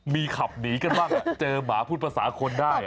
มีขับหนีกันบ้างเจอหมาพูดภาษาคนได้